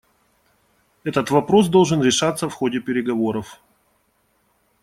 Этот вопрос должен решаться в ходе переговоров.